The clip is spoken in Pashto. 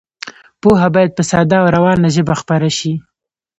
پوهه باید په ساده او روانه ژبه خپره شي.